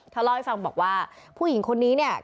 เล่าให้ฟังบอกว่าผู้หญิงคนนี้เนี่ย